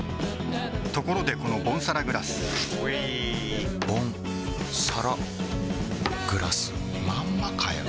ところでこのボンサラグラスうぃボンサラグラスまんまかよ